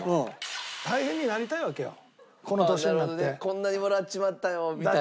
こんなにもらっちまったよみたいな。